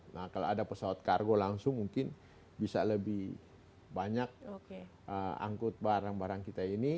nah kalau ada pesawat kargo langsung mungkin bisa lebih banyak angkut barang barang kita ini